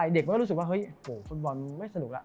เด็กมันก็รู้สึกว่าเฮ้ยฟุตบอลไม่สนุกแล้ว